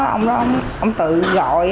ông đó ông tự gọi